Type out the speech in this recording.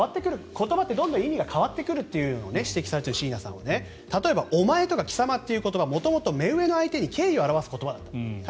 言葉ってどんどん意味が変わってくるということを指摘されている椎名さんは例えば、お前とか貴様という言葉も元々、目上の相手に敬意を表す言葉だった。